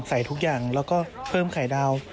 ใส่ทุกอย่างแล้วก็เพิ่มไข่ดาว